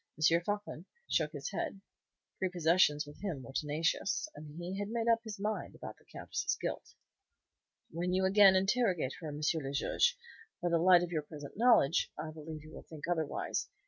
Floçon shook his head. Prepossessions with him were tenacious, and he had made up his mind about the Countess's guilt. "When you again interrogate her, M. le Juge, by the light of your present knowledge, I believe you will think otherwise.